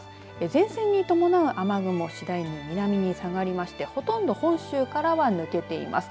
前線に伴う雨雲次第に南に下がりましてほとんど本州からは抜けています。